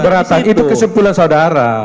keberatan itu kesimpulan saudara